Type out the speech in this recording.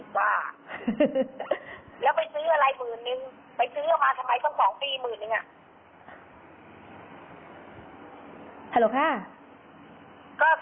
เมื่อกี้มันไม่สิทธิ์คลุกตอบ